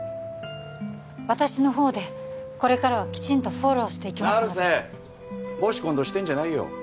私のほうでこれからはきちんとフォローしていきますので成瀬公私混同してんじゃないよ